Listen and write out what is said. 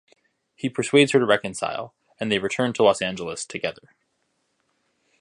He persuades her to reconcile, and they return to Los Angeles together.